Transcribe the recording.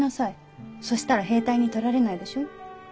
そしたら兵隊にとられないでしょ。